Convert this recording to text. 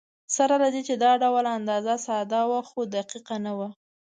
سره له دې چې دا ډول اندازه ساده وه، خو دقیقه نه وه.